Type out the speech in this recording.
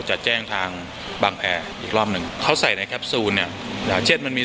จะแจ้งทางบังแออีกรอบหนึ่งเขาใส่ในเนี่ยเช่นมันมี